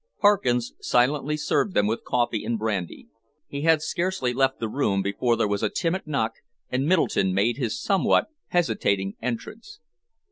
Parkins silently served them with coffee and brandy. He had scarcely left the room before there was a timid knock and Middleton made his somewhat hesitating entrance.